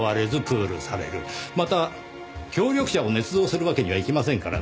また協力者をねつ造するわけにはいきませんからね